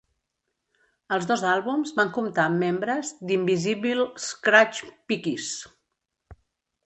Els dos àlbums van comptar amb membres d'Invisibl Skratch Piklz.